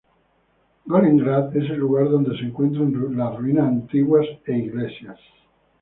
Golem Grad es el lugar donde se encuentran ruinas antiguas e iglesias.